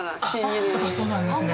やっぱそうなんですね！